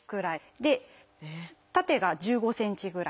で縦が１５ｃｍぐらい。